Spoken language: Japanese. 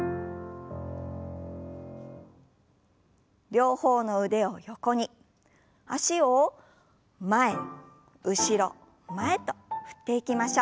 両方の腕を横に脚を前後ろ前と振っていきましょう。